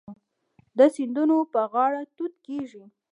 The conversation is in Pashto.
د سیندونو په غاړه توت کیږي.